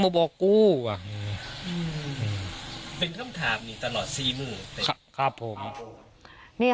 มาบอกกูว่าอืมเป็นคำถามนี่ตลอดสี่มือครับครับผมนี่